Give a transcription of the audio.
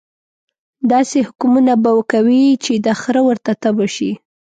داسې حکمونه به کوي چې د خره ورته تبه شي.